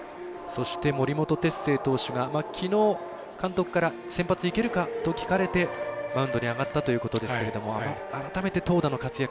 そして森本哲星投手がきのう監督から先発いけるかと聞かれてマウンドに上がったということですけれども改めて投打の活躍